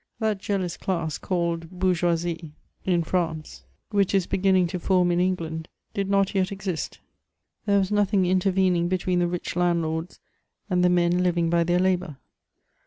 That ^aloos dass, called bourgeoisie in 440 MEMOntS OF France, which is beginning to fonn in Engbind, did not yet exist ; there ^was nothing intervenine between the rich land lords and the men living by their labour.